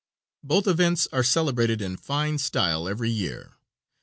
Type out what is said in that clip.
Both events are celebrated in fine style every year.